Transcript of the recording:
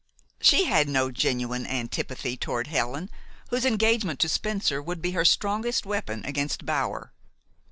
She had no genuine antipathy toward Helen, whose engagement to Spencer would be her strongest weapon against Bower.